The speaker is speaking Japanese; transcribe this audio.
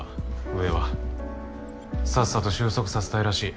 上はさっさと収束させたいらしい。